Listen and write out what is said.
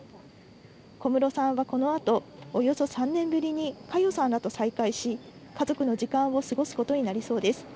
小室さんはこのあと、およそ３年ぶりに佳代さんらと再会し、家族の時間を過ごすことになりそうです。